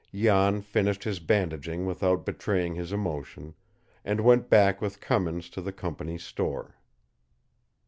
Jan finished his bandaging without betraying his emotion, and went back with Cummins to the company's store.